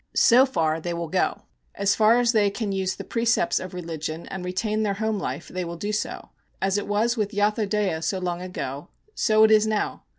So far they will go. As far as they can use the precepts of religion and retain their home life they will do so; as it was with Yathodaya so long ago, so it is now.